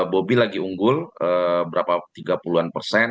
bobi lagi unggul berapa tiga puluh an persen